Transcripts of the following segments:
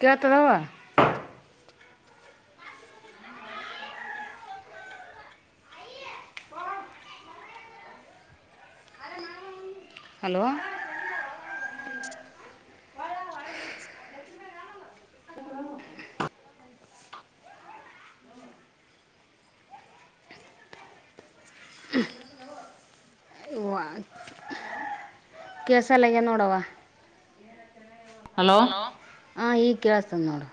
ಕೇಳತದವ್ವ. Hello hello ಕೆಳಸಲಾಗ್ಯದ ನೋಡವಾ. Hello ಹಾಂ ಈಗ ಕೆಳಸ್ತದ ನೋಡು.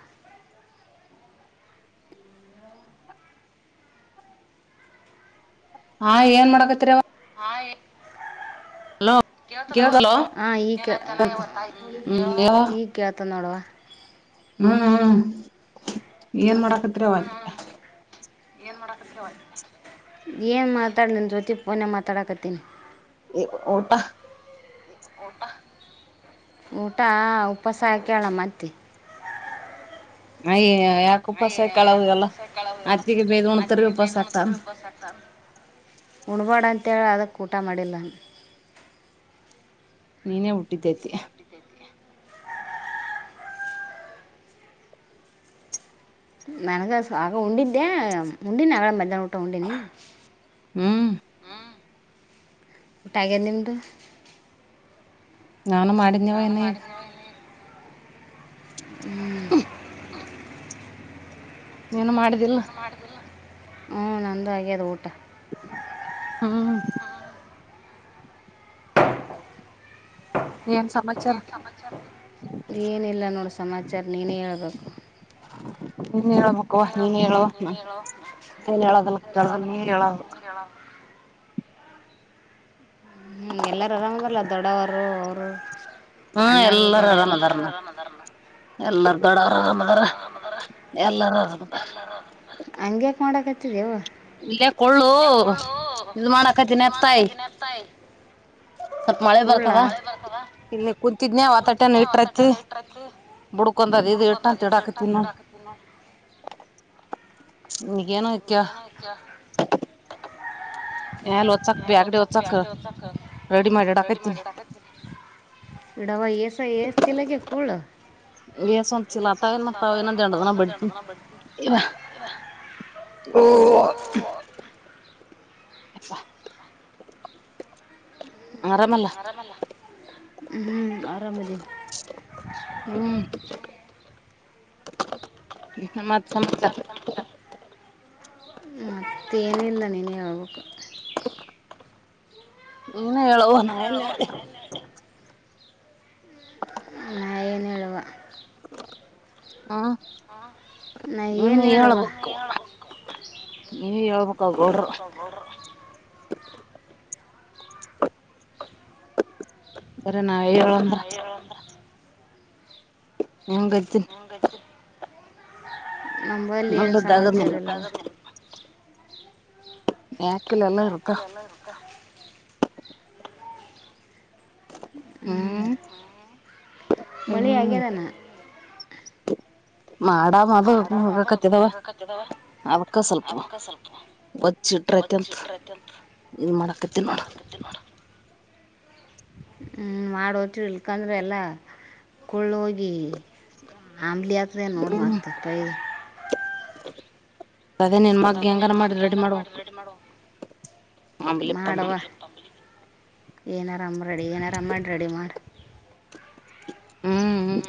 ಆ ಏನ್ ಮಾಡಗತೀರವ್ವ. ಹಲೋ ಕೇಳ್ತಲ್ಲೋ ಹಾಂ ಈಗ ಕೇ ಹ್ಮ ಹೇಳ್ ಈಗ ಕೇಳ್ತದ ನೋಡವ್ವ ಹ್ಮ್ ಹ್ಮ್ ಏನ್ ಮಾಡಕತ್ರಿವ್ವ ಅಂದೆ. ಏನ್ ಮಾತಾಡ್ ನಿನ್ ಜೊತಿ ಫೋನ್ಯಾಗ್ ಮಾತಾಡಕತೀನಿ. ಏ ಒ ಊಟಾ. ಊಟ ಆ ಉಪವಾಸ ಹಾಕ್ಯಳ ನಮ್ಮತ್ತಿ. ಅಯ್ಯ ಯಾಕ ಉಪಾಸ ಹಾಕ್ಯಳ ಅವ್ ಎಲ್ಲ ಅತ್ತಿಗೆ ಬೇದ್ ಉಣತೀರಿ ಉಪಾಸ ಹಾಕ್ ತರಿ ಉಪಾಸ್ ಹಾಕ್ತಾಳ ಉಣಬಾಡ ಹೇಳ್ಯಾಳ ಅದಕ್ ಊಟ ಮಾಡಿಲ್ಲ ನೀನೇ ಹುಟ್ಟಿದ್ದೈತಿ. ನನಗ ಸ ಆಗ ಉಂಡಿದ್ದೆ ಉಂಡಿನಿ ಆಗ್ಯಾಳ ಮಧ್ಯಾಹ್ನ ಊಟ ಉಂಡಿನಿ. ಹ್ಮ್ ಊಟ ಆಗ್ಯದ ನಿಮ್ದು. ನಾನು ಮಾಡ್ ನಾನು ಮಾಡಿದ್ನ್ವ ಹಿನಾ ಈಗ್. ನೀನು ಮಾಡಿದಿಲ್. ಹ್ಞೂ ನಂದು ಆಗ್ಯದ ಊಟ. ಹ್ಮ ಏನ್ ಸಮಾಚಾರ ಏನಿಲ್ಲ ನೋಡು ಸಮಾಚಾರ ನೀನೇ ಹೇಳ್ಬೇಕು. ನೀನೆ ಹೇಳಬೇಕ. ಹಕವಾ ನೀನೆ ಹೇಳವ ಏನ್ ಹೇಳೋದಲ್ಲ ಅದೆಲ್ಲಾ ಕೇಳ್ದಲ್ ಹೇಳಕಲ್ ನೀ ಕಳ್ ಹೇಳೋದು ನೀನೆ ಹೇಳ. ಹ್ಮ್ ಎಲ್ಲಾರೂ ಆರಾಮ್ ಅದರಲ್ಲ ದೊಡವರು ಅವ್ರು. ಹ್ಮ ಎಲ್ಲಾರ ಅರಾಮ ಅದ ಅರಾಮ ಎಲ್ಲಾರ ದೊಡ ಆರಾಮದಾರ ಎಲ್ಲಾರ ಆರಾಮದ ಎಲ್ಲಾರ ಕ ಮಾಡೋಕತ್ತೀವು ಇಲ್ಲಯ ಕೊಳ್ಳು ಇ ಮಾಡಕತಿನತ್ತಾಯ [inaudible] ಸ್ವಲ್ಪ ಮಳೆ ಕೂಳ ಬರ್ತಾವ ಇ ಕುೂಂತಿದ್ನಯ ವಾತಾಟ್ಯನ ಇಟ್ರೈತಿ ಬುಡ್ಕಂದದ ಇ ಇಟ್ಟ ಅಂತಡಾಕತಿನ್ ನೋ ಗಾನ. ಕೆಲ ಎಲ್ ಓಚಕ್ ಬ ಆಗಡಿ ಒಚಕ್ ಸ ರೆಡಿಮೇಡ್ಡಾಕನ ಡವಾ ಏಸ ಎಏಷ್ಟ ಚಲಕ್ಕೆ ಕೂಡ ಸ್ವಿಲ್ಲತಾವನ್ತಾವ ಏನ ದಂಡದನ ಬಡ್ತನ ಇವ ಹ ಎಪ್ಪಾ ಆರಾಮಲ್ಲ ಹ್ಮ ಆರಾಮಿದೀ ಯ ಮತ ಸಮಸಚಾರ ಮತ್ತೇನಿಲ್ಲ ನೀನ್ಗೆ ಹಳ್ಬೇಕು ನೀನ್ ಹೇಳುವ ನಾ ಏನ್ ಹೇಳಿ ನ ಏನು ಹೇಳುವ ಹಾ ನಾ ಏನ್ ಹೇಳುವ ನೀವ ಹೇಳ್ಬೇಕಕ್ೋಡರು [inaudible] ಬರ ನಾವ ಹೇಳ ಅಂದ್ರ ನಂಗಜ್ಜನ್ ನಂಬಲ್ಲಿ ಏನು ನಮ್ದದಾಗದ್ ನಿಮ್ ಸಮಮಾಚಾರಲ್ಲ ಯಾಕ ಹಕಲಲ್ಲ ಹತ ಹ್ಮ್ ಮಳಿ ಹ್ಮ್ ಹಾಗದಾನ ಮಾಡ ಅದು ಕತ್ತದಾವ ಅದಕ್ಕ ಸ್ವಲ್ಪ ಒಚ್ಚಿಟ್ರೈತೆಂತ ಇದು ಮಾಡಕತ್ತನ ನೊಡಮ್ [inaudible] ಹ್ಮ ಮಾಡ ಹೋದರು ಇಲ್ಕಂದ್ರೆ ಎಲ್ಲಾ ಕುಳ್ಳ ಹೋಗಿ ಆಂಬ್ಲಿಿಯತ್ರ ನೋಡಿ ಹ್ಮ್ ಮತ ಪೈ ಅದೇ ನಿನ್ ಮಗ್ಗೆ ಹೆಂಗಾರ ಮಾಡಿ ರೆಡಿ ಮಾಡುವ ಮಾಡವಾ ಏನ ಆರಾಮ್ ರೆಡಿ ಏನರಾಮ್ ಮಾಡ್ರಿ ರೆಡಿ ಮಾಡ್ರಿ ಹ್ಮ್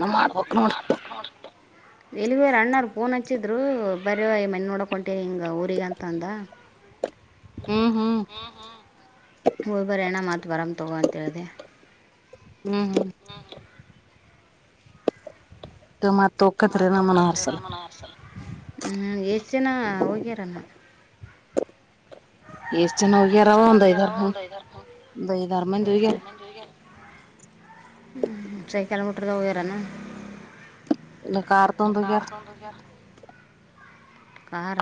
ನ ಮಾಡ್ಬೇಕ ನೋಡ ಎಲ್ಲಿಗರ್ ಅಣ್ಣಾರ್ ಪೋನ್ ಹಚ್ಚಿದ್ರು ಬರ ಈ ಮನೆ ನೋಡಕೊಂಡ ಹಿಂಗ ಊಗ ಅಂತ ಅಂದ ಹ್ಮ್ ಹ್ಮ್ ಒಬರು ಣ್ಣ ಮಾತು ಬರಾಮ ತಗೋ ಅಂತೇಳಿದೆೆ [unintelligible] ಹ್ಮ್ ಹ್ಮ್ ಮತ್ ಹೋಗಕತ್ರಿ ನಮ್ಮನ ಹರ್ಸಲ ಹ್ಮ್ ಎಷ್ಟ್ ಜಿನ ಹೋಗ್ಯಾರಮ್ಮ [unintelligible] ಎಷ್ಟ್ ಜನ ಹೋಗ್ಯಾರವ ಒಂದ್ ಐದಾರ ಮಂದ ಒಂದ್ಐದಾರ ಮಂದ ಹೋಗ್ಯಾರ ಹ ಸೈಕಲಮೀಟರ್ದ ಹೋಗ್ಯರಾನ ಇಲ್ಲ ಕಾರ್ ನ ತೊಂದ್ ಕಾರ್ ಹೋಗ್ಯಾರ ತೊಂಡ ಹೋಗ್ಯರ ಕಾರ್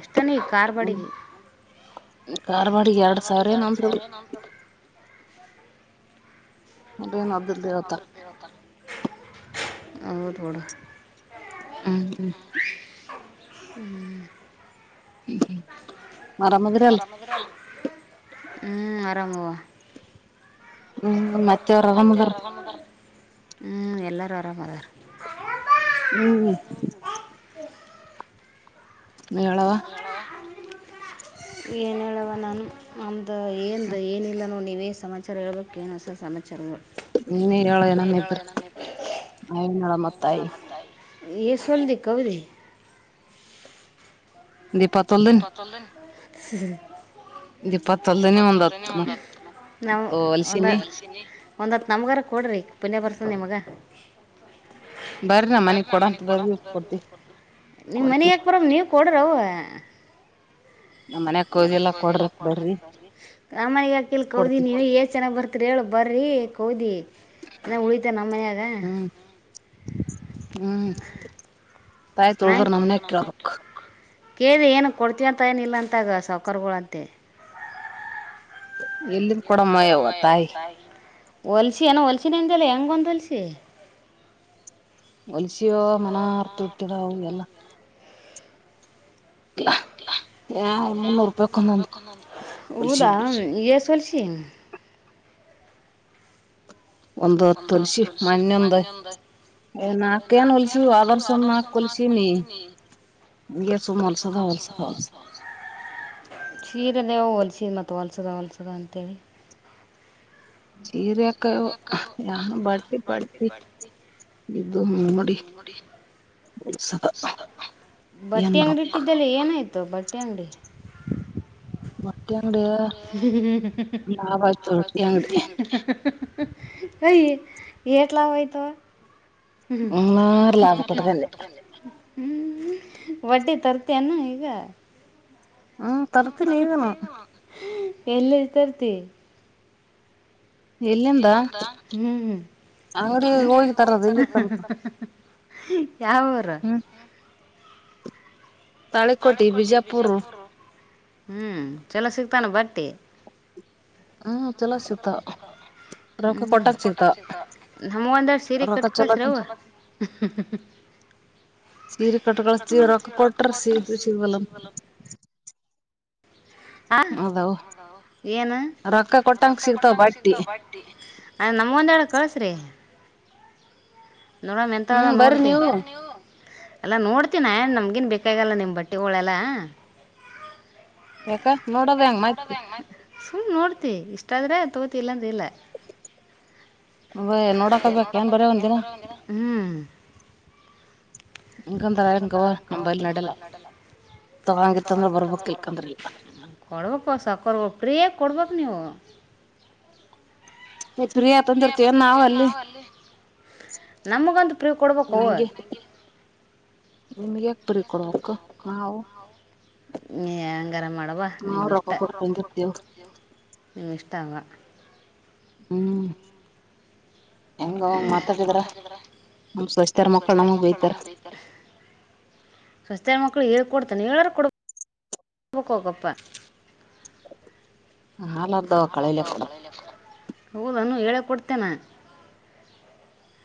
ಎಷ್ಟಾನ ಈ ಕಾರ್ ಬಡಿಗೆ ಮಾರ್ವಾಡಿಗೆ ಎರಡ್ ಸಾವಿರ ಏನಂದ್ ಹೇಳ್ತಾರ ಬಡ [unintelligible] ಹ್ಮ್ ಹ್ಮ್ ಹ್ಮ್ ಆರಾಮದ್ರಿ ಅಲ್ ಅರಾಮದರಿ [inaudible] ಹ್ಮ್ ಆರಾಮವಾ ಹ್ಮ್ ಮತ್ತೆ ಹ್ಮಞ ಎಲ್ಲರೂ ಆರಾಮದಾರ [unintelligible] ಹ್ಮ್ ಹೇಳವಾ ಏನ್ ಹೇಳವ ನಾನು ನಮ್ದ ಏನು ಏನಿಲ್ಲ ನೋ ಟಿವಿಯ ಸಮಾಚಾರ ಹೇಳ್ಬೇಕು ಹೊಸ ಸಮಚಾರಗಳು ನೀವೇ ಹೇಳ ನಮ್ಮಿದರು ಆನಳ ಮತ್ತಾಯಿ [inaudible] ಎ ಸಂದ ಕವರಿ [unintelligible] ದೀಪತ್ತೊಲ್ದನ್ ದೀಪ ತಲ್ಲದೆನ [unintelligible] ಇಪ್ಪ ದೀಪತ್ತೊಲ್ದನಿ ಒ ಒಂದ್ ಹತ್ ನಾವು ಒಂದ ಹೊಲ್ಸಿನಿ [unintelligible] ಒಂದು ಹತ್ತು ನಮ್ಗಾರ ಕೊಡ್ರಿ ಪುಣ್ಯ ಬರ್ಸ ನಿಮ್ಗೆ [inaudible] ಬ ಬಾ ಬರ್ರಿ ಮನೆಗೆ ನೀವ್ ಮನ ಕೊಡ್ತಿವಿ ಯಾಕ ಬರ ನೀವ ಕೊಡ್ರ ಅವ [unintelligible] ನಮ್ ಮನ್ಯಾಗ [unintelligible] ಮನೆ ಕೋದಿಲ್ಲ ಕೊಡ್ರತ್ ಬರ್ರಿ ಹಾಕ ಕೋಿ ಕೊಡ್ತಿವಿ ನೀವ ಏ ಚನ್ನಾಗ್ ಬರ್ತೀರಿ ಹೇಳ ಬರ್ [unintelligible] ಕೌದಿ ಉಳಿತ ನಮ್ಮ ಮನ್ಯಾಗ ಹ್ಮ್ ಹ್ಮ್ ತಾಯಿ ನಾ ತೊಳದ್ರ ನಮನೆ ಕೇಳಕ್ ಕೇಳಿದೆ ಏನು ಕೊಡ್ತೀವಂತ ಏನಿಲ್ಲ ಅಂತಾಗ ಸಾವಕರ್ಗಳಂತೆ ಎಲ್ಲಿಂದ ಕೊಡವನ ತಾಯಿ ಹೊಲಸಿ ಏನೋ ಹೊಲ್ಸಿನಂತಲ್ಲ ಹೆಂಗೊಂದು ಹೊಲಸಿ ಹೊಲ್ಸಿಯೋ ಮನ ಅರ್ತ ಇಟ್ಟಿದ ಎಲ್ಲ ಯಾ ಮುನ್ನೂರು ರೂಪಾಯಕ್ ಒಂದೊಂದ್ ಹೊಲ್ಸಿವ್ ದಾ ನೋಡ್ ಎ ಸಲ್ [unintelligible] ಚೀನ್ [inaudible] ಒಂದು ತೊಳಸ [unintelligible] ಏ ನಕೇನ್ ಹೊಲಸ ಆದರ್ಷ ನಕ ಕೊಲಸ ನೀ [unintelligible] ಶಿರನೆ ಹ [unintelligible] ಶ್ರೀಮ ಹೊಲ್ಸದ ಹೊಲ್ಸದ ಅಂತೇಳಿ ಸೀರೆಕಾಯ ಯಾನು ಬಡ್ತಿ ಬಡ್ತಿ ಇದುು ಹ್ಮ ಮಾಡಡಿ [unintelligible] ಏನ್ ಬಟ್ಟಿ ಅಂಗಡಿ ಮಾಡ್ಬೇಕ್ ಇಟ್ಟಿದ್ದಲ್ಲಿ ಏನಾಯ್ತು ಬಟ್ಟೆ ಅಂಗಡಿ [inaudible] ಬಟ್ಟೆ ಅಂಗಡಿ ಹ್ಮ ಲಾಭ ಆಯ್ತು ಬಟ್ಟಿ ಅಂಗಡಿ [unintelligible] ಹ ಏಟ್ಲಾಗೋಯ್ತು ಹ್ಮ್ ಹೂನರ್ ಲಾಭ ಹ್ಮ್ ಕೊಟ್ಕೊಂಡೆ [unintelligible] ಬಟ್ಟೆ ತರ್ತಿಯನ್ನು ಈಗ ಹ್ಮ್ ತರ್ತೀನಿ ಈಗನು ಎಲ್ಲಿ ತರ್ತಿ [unintelligible] ಎಲ್ಲಿಂದ ಹ್ಮ್ ಅಂಗಡಿ [unintelligible] ಹೋಗಿ ಹೋಗ ತರೋದು ಇಲ್ಲಿ ತರ್ತ ಯಾವೂರು ಹ್ಮ್ ತಾಳಿಕೋಟಿ ಬಿಜಾಪುರ್ ಹ್ಮ್ ಚಲೋ ಸಿಗ್ತಾನೆ ಬಟ್ಟಿ ಹ್ಮ್ ಚಲೋ ಸಿಕ್ತಾವು ಹ್ಮ ನಮ ಒಂದೆಡ್ ಸೀರೆ ರೊಕ್ಕ ಚಲೋ ಕಟ್ಕಸ್ರವು [unintelligible] [unintelligible] ಸೀರೆ ಕಟ್ಕಸ್ತೀವ ರೊಕ್ಕ ಕೊಟರ್ಸಿ ಸಿ ಪಿಸು ಭಲ [unintelligible] ಅೌದೌ ಏನು ರೊಕ್ಕ ಸಿಗ್ತಾವ ಬಟ್ಟಿ ಕೊಟ್ಟಂಗಂತ ಬ ಅ ನಮ ಒಂದ ಹೇಳ ಕಳ್ಸ್ರಿ ನೋಡಮ ಎಂತ ಅದ ಹ್ಮ್ ಬರ್ರಿ ನೋಡ್ತಿ ನೀವು ಅಲ್ಲಾ ನೋಡ್ತೀನಏನ್ ನಮ್ಗಿನ್ ಬೇಕಾಗಲ್ಲ ನಿಮ್ಮ ಬಟ್ಟೆ ಹಳೆಲ್ಲ ಯಾಕ ನೋಡೋದ ಹೆಂಗ ಮತ್ ಸುಮ್ ನೋಡ್ತಿ ಇಷ್ಟಾದ್ರೆ ತಗೋತಿಲ್ಲ ಬಲ ಏ ನೋಡಕಬೇಕ ನೋಡಕ್ ಬರ ಹರ್ಬೇಕ ಏನ್ ಒಂದಿನ ಬರವ ನೀವ ಹ್ಮ್ ಇಕಂದಕ ನಂಬಲ್ಲಿ ನಡಲ್ಲ ತಗೊಂಗಿತ್ತಂದ್ರ ಬರ್ಬಕ್ ಇಲ್ಕಂದ್ರ ಇಲ್ಲ ಕೊಡ್ಬೇಕ ಪ ಹೊಸ ಕೊಡ್ಬೇಕ ಪ್ರೇ ಕೊಡ್ಬೇಕು ನೀವು ಎತ್ರಿ ಆತಂತ ಇರ್ತೀವ ನಾವ ಅಲ್ಲಿ ನಮಗಂತ ಪ್ರಯೋಗ ಕೊಡ್ಬೇಕು ನಿಮಗೆ ಯಾಕ್ ಬರಿ ಕೊಡವಕ್ ನಾವು ಹ್ಮ ಹಂಗಾರ ಮಾಡುವ ನಿಮ್ ನಾವ್ ಇಷ್ಟ ರೊಕ್ಕ ಕೊಟ್ ತಂದಿರ್ತೇವ ನಿಮ ಇಷ್ಟ ತವ ಹ್ಮ್ ಹೆಂಗ ಮಾತಾತಿದ್ರ ನಸಚ್ತಾರ ಮಕ್ಕಳ ನಮಗ್ ಬಯತಾರ ಸಸ್ತ ಮಕ್ಕಳು ಹೇಳಳ್ ಕೊಡ್ತಾನೆ ಹೇಳರು ಕೊಡ್ ಕೊಡ್ಬೇಕು ಹೋಗಪ್ಪ ಹಲ್ಲ ಹ ನಾನು ಹೇಳೆ ಕೊಡ್ತೇನಾ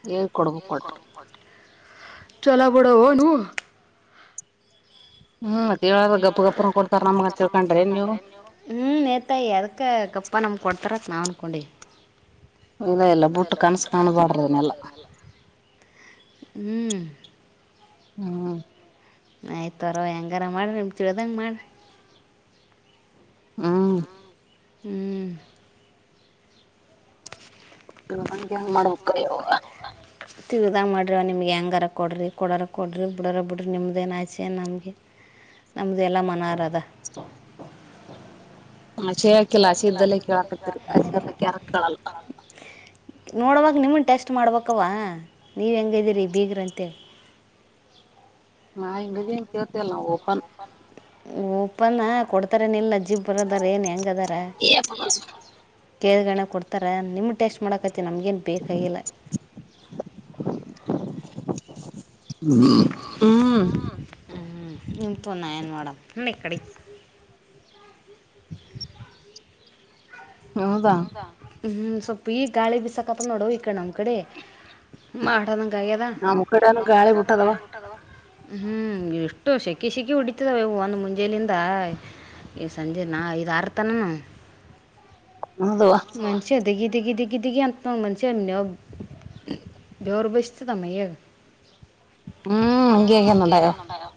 ಹಏ ಕೊಡ್ಬೇಕು ಕೊಟ್ಟ ಚಲಬಡ ನು ಹ್ಮ್ ಹೇಳಾರ ಗಪ್ ಗಪ್ನ ಕೊಡ್ತಾರ ನಮ್ಗ ಅಂತ ತಿಳ್ಕೊಂಡ್ರೇನ್ ನೀವು ಹ್ಮ್ ನೇತಾಯ ಅದಕ್ಕ ಗಪ್ಪ ನಮ ಕೊಡ್ ಹ ಥರ ನಾವು ಅಂದಕೊಂಡೆ ಇಲ್ಲ ಬುಟ್ಟು ಇಲ್ಲ ಕನ್ಸ ಬಿುಟ್ಟ ಕಾಣಬಾಡ್ರಿ ಅದನ್ನೆಲ್ಲ ಕನ್ಸ್ಕೊಂಡಬಡ್ಲನ್ನಲ್ಲ ಹ್ಮ್ ಹ ಹ್ಮ ಆಯ್ತು ಅರೋ ಹೆಂಗಾರ ಮಾಡ್ರಿ ನಿಮ್ ತಿಳದಂಗ ಮಾಡ್ರಿ ಹ್ಮ್ ಹ್ಮ್ ಒಗೆ ಮಾಡೋ ತಿಗ್ದಂಗ ಮಾಡ್ರಿವ ನಿಮ್ಗೆ ಹೆಂಗರ ಕೊಡ್ರಿ ಕೊಡರ ಕೊಡ್ರಿ ಬಿಡರ ಬಿಡ್ರಿ ನಿಮ್ಮ್ದೇಏನು ಆಚೆ ನಮಗೆ ನಮ್ದ ಎಲ್ಲ ಮನ ಆರಾಧ ಆಸೆ ಹಾಕಿಲ್ಲ ಆಸೆ ಮೇಕಲ್ಲ್ದಲ್ಲ ಇದ್ದಲ್ಲೇ ಕೇಳಾಕತ್ತೀರಿ ಆಸೆ ಇರ್ಲಿಕ್ ಯಾರು ಕೇಳಲ್ಲ ನೋಡವಾಗ ನಿಮ್ಮನ್ನ ಟೆಸ್ಟ್ ಮಾಡ್ಬೇಕವಾ ನೀವು ಹೆಂಗ್ದೀರಿ ಬೀಗ್ರಂತೆೇಳ ನಾ ಹಂಗನ್ ಕೇತೇಲ್ಲ ನಾವು ಓಪನ್ ಉಪ್ಪನ ಕೊಡ್ತಾರೇನ ಇಿಲ್ಲ ಅಜ್ಜಿಬ್ ಬರದಾರ ಏನ್ ಹೆಂಗ ಅದಾರ ಕೇಳ್ಗಣ ಕೊಡ್ತಾರ ನಿಮ ಟೇಸ್ಟ್ ಮಾಡಕ ಮತ್ತು ನಮಗೇನು ಬೇಕಾಗಿಲ್ಲ ಹ್ಮ ನಿಂಪುನ್ನಾಯನ್ನಮಡ ಇಕ್ಕಡೆ ಹೌದಾ ಹ್ಮ್ ಸ್ವಲ್ಪ ಈಗ ಗಾಳಿ ಬಿಸಾಕತ್ತ ನೋಡೋಕ ನಮ್ಮ್ ಕಡೆ ಮಾಡದ ಗದ ನಮ್ ಕಡೆನು ಗಾಳಿ ಬಿಟ್ಟದವ ಹ್ಮ್ ಎಷ್ಟು ಸೆಕಿ ಶೆಕಿ ಹೊಡಿತಿದಾವವು ಒಂದ್ ಮುಂಜೇಲಿಂದ ಈ ಸಂಜೆ ನಾ ಇ ಆಾರ ತನನು ಅೌದುುವ ದಗಿ ದಗಿ ದಗಿ ದಗಿ ಅ ನ ಮಸೆ ಅನ್ನವು ಬರು ಬಸ್ತ ತಮ್ಮಯ್ಯ ಹ್ಮ್ ಹಂಗೆ ಆಗ್ಯ ಹ್ಮ್ಗಗ ನೋಡಯವ ಬರೋ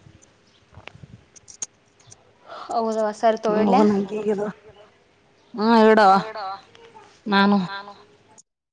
ಹೌದಸ್ ಹ ಹೋಗ ನಂಗೆ ಹೇಗ ಹಾ ಹೇಳಡವ ನಾನು